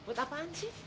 duit apaan sih